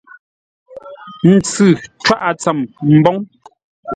Ntsʉ cwáʼa tsəm mboŋ.